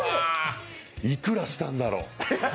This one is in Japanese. いくらしたんだろう。